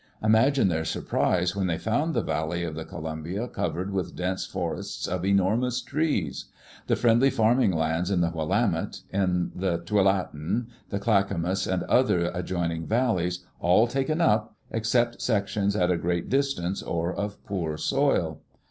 Imagine their surprise when they found the valley of the Columbia covered with dense forests of enormous trees; the friendly farming lands in the Willamette, in the Tuala tin, the Clackamus, and other adjoining valleys, all taken up, except sections at a great distance or of a poor soil.